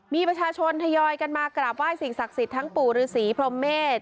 มีประชาชนทยอยกันมากราบไห้สิ่งศักดิ์สิทธิ์ทั้งปู่ฤษีพรมเมษ